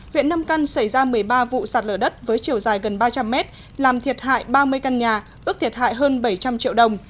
huyện nam căn xảy ra một mươi ba vụ sạt lở đất với chiều dài gần ba trăm linh mét làm thiệt hại ba mươi căn nhà ước thiệt hại hơn bảy trăm linh triệu đồng